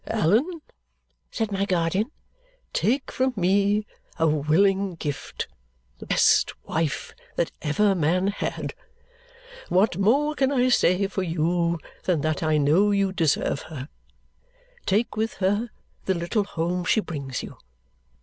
"Allan," said my guardian, "take from me a willing gift, the best wife that ever man had. What more can I say for you than that I know you deserve her! Take with her the little home she brings you.